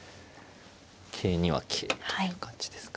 桂には桂という感じですか。